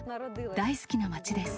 大好きな街です。